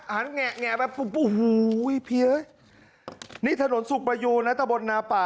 หันแงะแงะแบบพี่เฮ้ยนี่ถนนสุกมายูณตะบนนาป่า